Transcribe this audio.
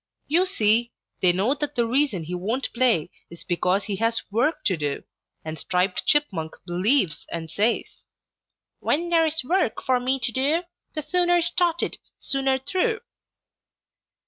You see, they know that the reason he won't play is because he has work to do, and Striped Chipmunk believes and says: "When there is work for me to do The sooner started, sooner through."